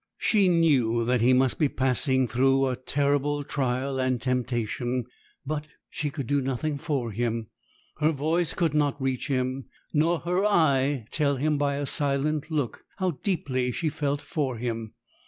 She knew that he must be passing through a terrible trial and temptation, but she could do nothing for him; her voice could not reach him, nor her eye tell him by a silent look how deeply she felt for him.